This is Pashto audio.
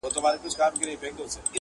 نجلۍ د سخت درد سره مخ کيږي او چيغي وهي،